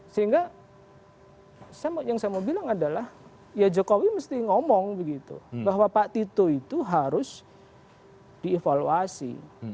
sehingga yang saya mau bilang adalah ya jokowi mesti ngomong begitu bahwa pak tito itu harus dievaluasi